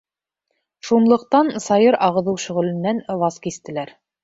Шунлыҡтан сайыр ағыҙыу шөғөлөнән ваз кистеләр.